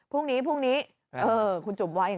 พรุ่งนี้คุณจุ๋มว่าอย่างนี้